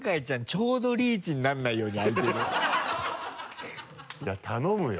ちょうどリーチにならないように開いてるいや頼むよ。